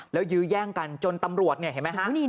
แล้วยื้อแย่งกันจนตำรวจเนี่ยเห็นไหมฮะ